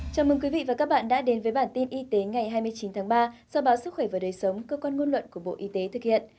chào mừng quý vị và các bạn đã đến với bản tin y tế ngày hai mươi chín tháng ba do báo sức khỏe và đời sống cơ quan ngôn luận của bộ y tế thực hiện